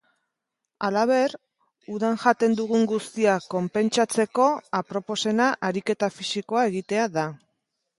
Halaber, udan jaten dugun guztia konpentsatzeko aproposena ariketa fisikoa egitea da.